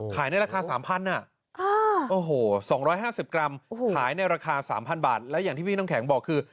ในราคา๓๐๐บาทโอ้โห๒๕๐กรัมขายในราคา๓๐๐บาทแล้วอย่างที่พี่น้ำแข็งบอกคือ